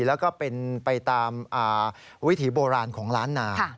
แล้วก็เป็นไปตามวิถีโบราณของล้านนา